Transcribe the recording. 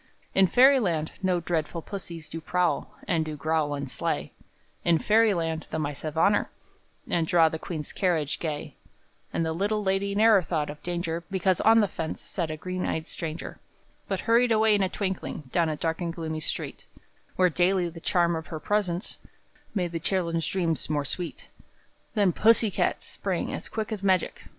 In Fairyland no dreadful pussies Do prowl, and do growl and slay In Fairyland the mice have honor, And draw the queen's carriage gay; And the little lady ne'er thought of danger Because on the fence sat a green eyed stranger, But hurried away in a twinkling Down a dark and gloomy street, Where daily the charm of her presence Made the children's dreams more sweet; Then Pussy Cat sprang as quick as magic!